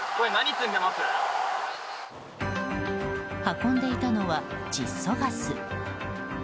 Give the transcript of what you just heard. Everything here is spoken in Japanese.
運んでいたのは窒素ガス。